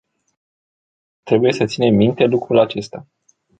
Trebuie să ținem minte lucrul acesta.